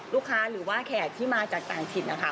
ลูกค้าหรือว่าแขกที่มาจากต่างถิ่นนะคะ